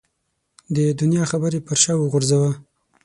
د دنیا خبرې پر شا وغورځوه.